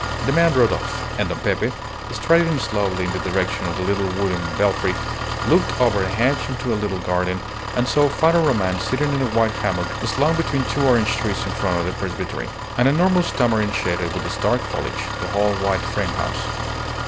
The man rode off, and Don Pepe, striding slowly in the direction of a little wooden belfry, looked over a hedge into a little garden, and saw Father Roman sitting in a white hammock slung between two orange trees in front of the presbytery. An enormous tamarind shaded with its dark foliage the whole white framehouse.